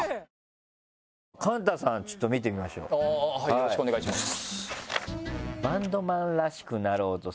よろしくお願いします。